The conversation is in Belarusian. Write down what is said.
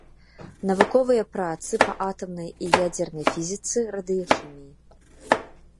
Навуковыя працы па атамнай і ядзернай фізіцы, радыяхіміі.